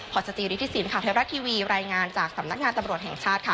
พอสจิริฐศิลปข่าวไทยรัฐทีวีรายงานจากสำนักงานตำรวจแห่งชาติค่ะ